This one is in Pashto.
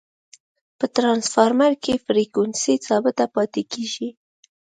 په ټرانسفرمر کی فریکوینسي ثابته پاتي کیږي.